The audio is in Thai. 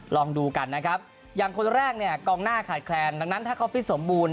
ลองดูกันนะครับอย่างคนแรกเนี่ยกองหน้าขาดแคลนดังนั้นถ้าเขาฟิตสมบูรณ